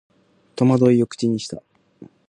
戸惑いを口にした